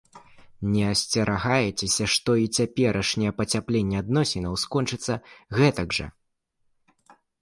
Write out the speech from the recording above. Не асцерагаецеся, што і цяперашняе пацяпленне адносінаў скончыцца гэтак жа?